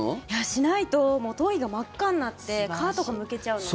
しないと頭皮が真っ赤になって皮とかむけちゃうので。